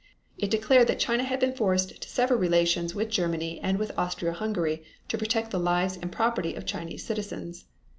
It declared that China had been forced to sever relations with Germany and with Austro Hungary to protect the lives and property of Chinese citizens.